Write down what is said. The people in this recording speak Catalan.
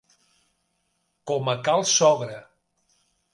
Com a cal sogre.